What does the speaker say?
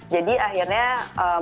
jadi akhirnya mulai